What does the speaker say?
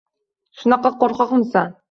Shunaqa qo‘rqoqmisan!